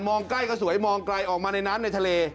ใกล้ก็สวยมองไกลออกมาในน้ำในทะเล